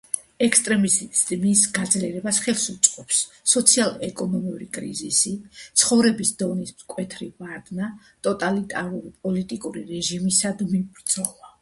ექსტრემიზმის გაძლიერებას ხელს უწყობს: სოციალურ-ეკონომიკური კრიზისი, ცხოვრების დონის მკვეთრი ვარდნა, ტოტალიტარული პოლიტიკური რეჟიმისადმი ბრძოლა.